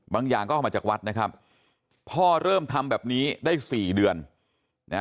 บางอย่างก็เข้ามาจากวัดนะครับพ่อเริ่มทำแบบนี้ได้สี่เดือนนะ